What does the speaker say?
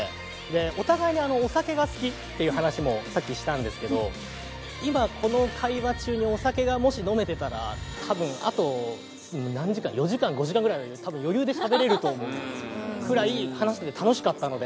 お互いにお酒が好きっていう話もさっきしたんですけど今この会話中にお酒がもし飲めてたら多分あと何時間４時間５時間ぐらいは多分余裕でしゃべれると思うくらい話してて楽しかったので。